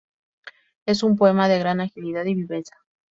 Es un poema de gran agilidad y viveza.